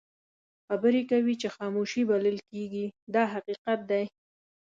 خبرې کوي چې خاموشي بلل کېږي دا حقیقت دی.